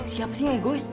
siapa sih yang egois